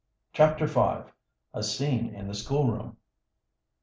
CHAPTER V. A SCENE IN THE SCHOOLROOM.